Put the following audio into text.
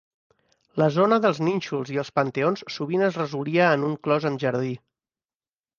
La zona dels nínxols i els panteons sovint es resolia en un clos amb jardí.